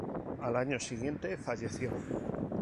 Al año siguiente falleció.